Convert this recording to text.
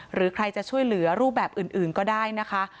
หรือใครจะช่วยเหลือรูปแบบอื่นก็ได้นะคะ